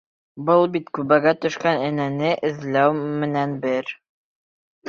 Был бит күбәгә төшкән энәне эҙләү менән бер.